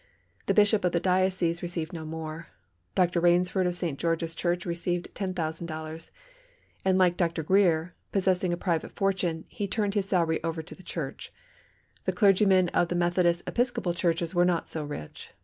The Bishop of the diocese received no more. Dr. Rainsford of St. George's Church received $10,000, and like Dr. Greer, possessing a private fortune, he turned his salary over to the church. The clergymen of the Methodist Episcopal churches were not so rich.